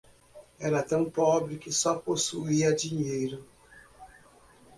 Era tão pobre que só possuía dinheiro